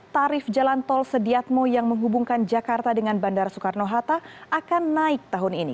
tarif jalan tol sediatmo yang menghubungkan jakarta dengan bandara soekarno hatta akan naik tahun ini